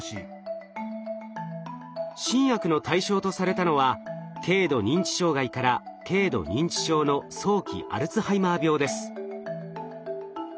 新薬の対象とされたのは軽度認知障害から軽度認知症の早期アルツハイマー病です。